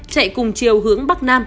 chạy cùng chiều hướng bắc nam